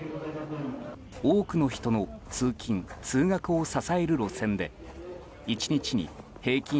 多くの人の通勤・通学を支える路線で１日に平均